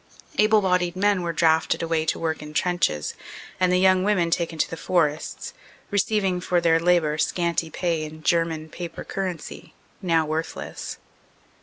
Able bodied men were drafted away to work in trenches and the young women taken to the forests, receiv ing for their labor scanty pay in German paper currency, now worthless.